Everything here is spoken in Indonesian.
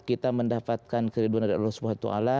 kita mendapatkan keriduan dari allah swt